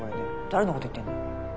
誰のこと言ってんのよ。